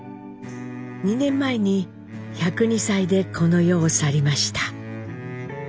２年前に１０２歳でこの世を去りました。